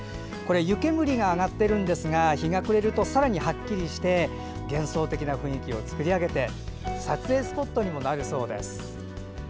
湯煙が上がっていますが日が暮れるとさらにはっきりして幻想的な雰囲気を作り上げて撮影スポットにもなるそうです。